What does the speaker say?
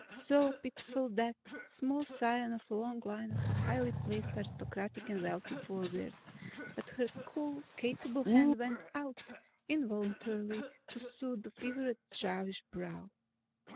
So pitiful, that small scion of a long line of highly placed aristocratic and wealthy forebears, that her cool, capable hand went out involuntarily to soothe the fevered childish brow.